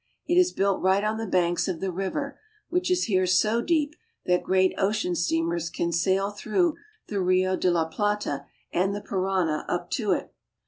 It is built right on the banks of the river, which is here so deep that great ocean steam ers can sail through the Rio de la Plata and the Parana up to it.